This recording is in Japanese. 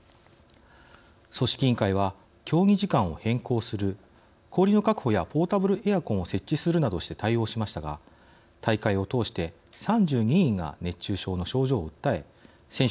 組織委員会は競技時間を変更する氷の確保やポータブルエアコンを設置するなどして対応しましたが大会を通して３２人が熱中症の症状を訴え選手